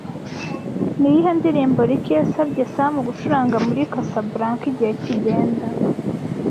Niyihe ndirimbo Rick yasabye Sam gucuranga muri Casablanca Igihe kigenda